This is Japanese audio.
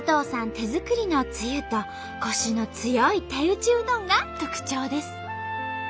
手作りのつゆとコシの強い手打ちうどんが特徴です。